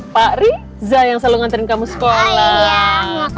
pak riza yang selalu nganterin kamu sekolah